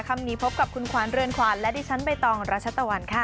คำนี้พบกับคุณขวานเรือนขวานและดิฉันใบตองรัชตะวันค่ะ